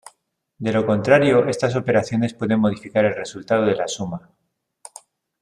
De lo contrario estas operaciones pueden modificar el resultado de la suma.